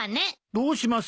どうします？